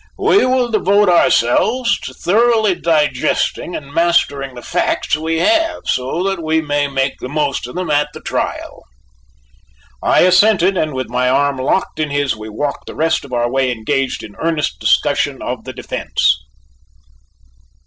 We will devote ourselves to thoroughly digesting and mastering the facts we have so that we may make the most of them at the trial." I assented, and with my arm locked in his we walked the rest of our way engaged in earnest discussion of the defence.